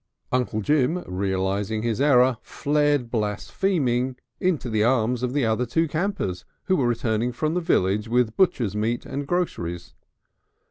Uncle Jim, realising his error, fled blaspheming into the arms of the other two campers, who were returning from the village with butcher's meat and groceries.